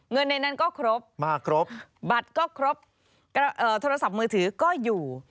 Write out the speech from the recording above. เงินในนั้นก็ครบมาครบบัตรก็ครบโทรศัพท์มือถือก็อยู่